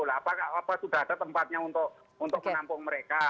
apakah sudah ada tempatnya untuk menampung mereka